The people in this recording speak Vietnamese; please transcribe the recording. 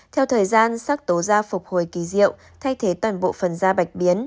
theo thời gian sắc tố da phục hồi kỳ diệu thay thế toàn bộ phần da bạch biến